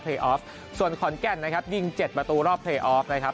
ออฟส่วนขอนแก่นนะครับยิงเจ็ดประตูรอบเพลย์ออฟนะครับ